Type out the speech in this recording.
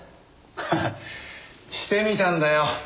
ハハッしてみたんだよ。